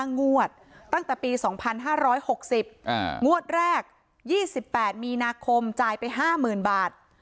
งวดตั้งแต่ปี๒๕๖๐งวดแรก๒๘มีนาคมจ่ายไป๕๐๐๐บาท